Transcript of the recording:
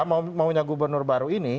maunya gubernur baru ini